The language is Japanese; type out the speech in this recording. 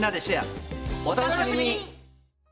お楽しみに！